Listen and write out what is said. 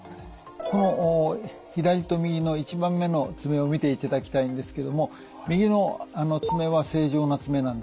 この左と右の１番目の爪を見ていただきたいんですけども右の爪は正常な爪なんです。